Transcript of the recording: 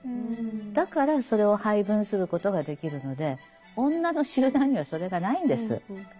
だからそれを配分することができるので女の集団にはそれがないんです。